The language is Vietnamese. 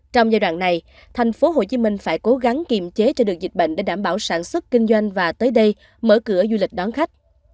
trong giai đoạn này tp hcm phải cố gắng kiềm chế cho được dịch bệnh để đảm bảo sản xuất kinh doanh và tới đây mở cửa du lịch đón khách